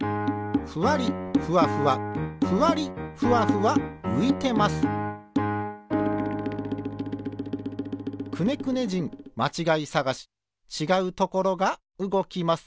ふわりふわふわふわりふわふわういてます「くねくね人まちがいさがし」ちがうところがうごきます。